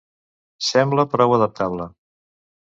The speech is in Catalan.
Sembla prou adaptable.